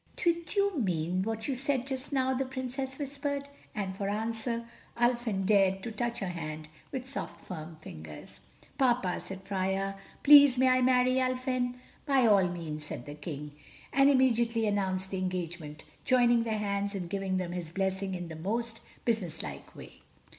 "Did you mean what you said just now?" the Princess whispered. And for answer Ulfin dared to touch her hand with soft firm fingers. "Papa," said Freia, "please may I marry Ulfin?" "By all means," said the King, and immediately announced the engagement, joining their hands and giving them his blessing in the most businesslike way.